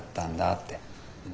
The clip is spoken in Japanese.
って。